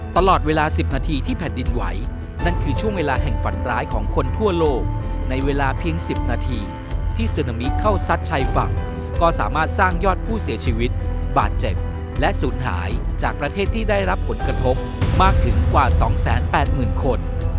ตลอดเวลา๑๐นาทีที่แผ่นดินไหวนั่นคือช่วงเวลาแห่งฝันร้ายของคนทั่วโลกในเวลาเพียง๑๐นาทีที่ซึนามิเข้าซัดชายฝั่งก็สามารถสร้างยอดผู้เสียชีวิตบาดเจ็บและศูนย์หายจากประเทศที่ได้รับผลกระทบมากถึงกว่า๒๘๐๐๐คน